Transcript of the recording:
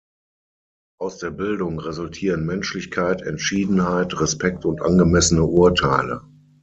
Aus der Bildung resultieren Menschlichkeit, Entschiedenheit, Respekt und angemessene Urteile.